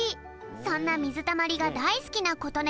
そんなみずたまりがだいすきなことね